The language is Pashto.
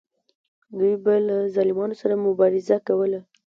دوی به له ظالمانو سره مبارزه کوله.